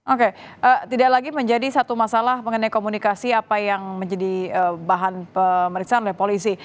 oke tidak lagi menjadi satu masalah mengenai komunikasi apa yang menjadi bahan pemeriksaan oleh polisi